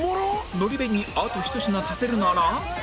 のり弁にあと一品足せるなら？